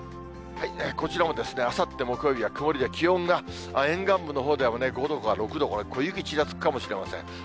こちらもですね、あさって木曜日は曇りで気温が沿岸部のほうでも５度か６度、これ小雪ちらつくかもしれません。